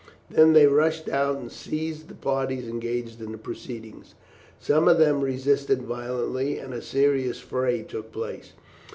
Then they rushed out and seized the parties engaged in the proceedings. Some of them resisted violently, and a serious fray took place.